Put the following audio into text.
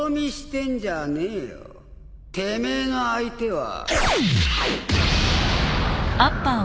てめえの相手は。